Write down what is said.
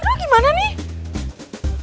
aduh gimana nih